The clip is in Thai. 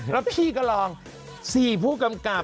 แล้วพี่ก็ลอง๔ผู้กำกับ